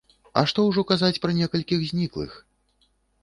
А што ўжо казаць пра некалькіх зніклых?